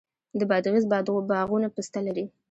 د بادغیس باغونه پسته لري.